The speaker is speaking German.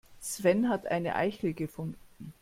Sven hat eine Eichel gefunden.